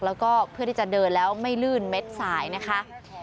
แล้วก็เพื่อที่จะเดินแล้วไม่ลื่นเม็ดสายนะคะ